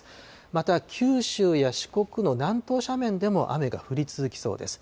また九州や四国の南東斜面でも雨が降り続きそうです。